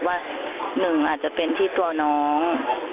๑อาจจะเป็นที่ตัวน้อง